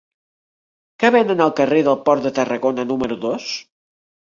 Què venen al carrer del Port de Tarragona número dos?